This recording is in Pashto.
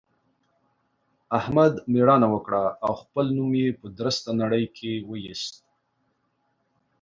احمد مېړانه وکړه او خپل نوم يې په درسته نړۍ کې واېست.